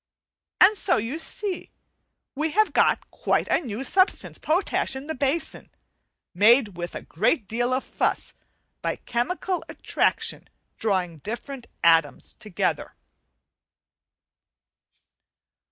And so you see we have got quite a new substance potash in the basin; made with a great deal of fuss by chemical attraction drawing different atoms together.